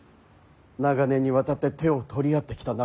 長年にわたって手を取り合ってきた仲間。